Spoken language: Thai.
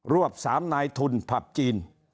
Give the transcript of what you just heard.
วบ๓นายทุนผับจีน